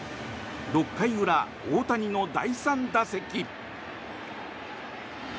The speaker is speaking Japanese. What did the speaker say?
６回裏、大谷の第３打席。